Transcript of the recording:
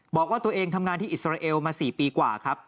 บอกว่าตัวเองทำงานที่อิสราเอลมา๔ปีกว่าครับ